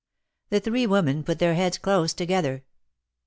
" The three women put their heads close together.